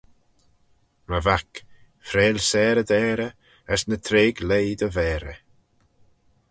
My vac, freill sarey dt'ayrey, as ny treig leigh dty vayrey.